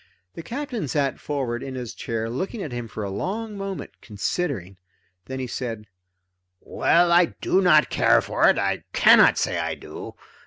The Captain sat forward in his chair looking at him for a long moment, considering. Then he said: "Well, I do not care for it, I cannot say I do.